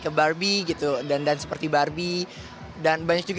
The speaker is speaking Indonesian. karena kalau di dalamnya ada perlengkapan make up